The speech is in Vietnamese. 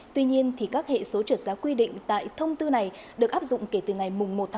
tuy nhiên các hệ số trượt giá quy định tại thông tư này được áp dụng kể từ ngày một một hai nghìn hai mươi ba